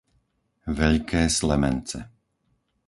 Veľké Slemence